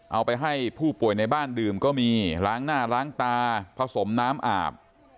เอาไปให้ผู้ป่วยในบ้านดื่มก็มีล้างหน้าล้างตาผสมน้ำอาบ